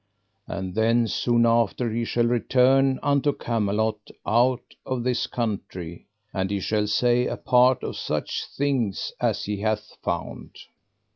And then soon after he shall return unto Camelot out of this country, and he shall say a part of such things as he hath found.